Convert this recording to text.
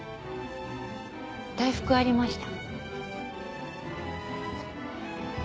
大福ありました。